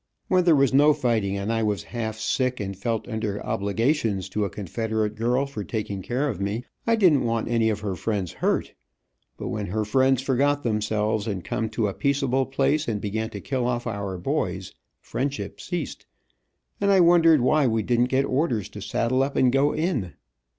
When there was no fighting, and I was half sick, and felt under obligations to a Confederate girl for taking care of me, I didn't want any of her friends hurt, but when her friends forgot them selves, and come to a peaceable place, and began to kill off our boys, friendship ceased, and I wondered why we didn't get orders to saddle up and go in.